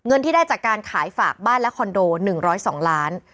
เงินที่ได้จากการขายฝากบ้านและคอนโด๑๐๒ล้าน